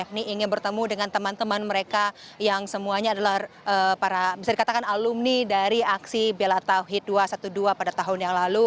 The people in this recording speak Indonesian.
ini ingin bertemu dengan teman teman mereka yang semuanya adalah para bisa dikatakan alumni dari aksi bela tauhid dua ratus dua belas pada tahun yang lalu